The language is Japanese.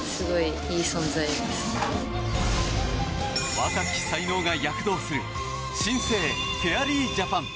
若き才能が躍動する新生フェアリージャパン。